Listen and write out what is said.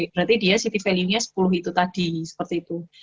berarti dia city value nya sepuluh itu tadi seperti itu